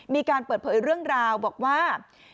มีการเปิดเผยเรื่องราวบอกว่า